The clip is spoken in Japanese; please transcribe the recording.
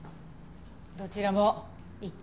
どちらも一致せず。